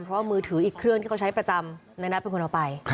เพราะว่ามือถืออีกเครื่องที่เขาใช้ประจำในนัทเป็นคนเอาไป